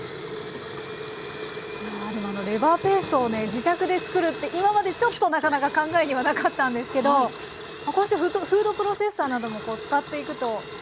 レバーペーストをね自宅で作るって今までちょっとなかなか考えにはなかったんですけどこうしてフードプロセッサーなども使っていくと。